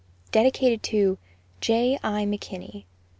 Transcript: Dedicated TO J. I. McKINNEY.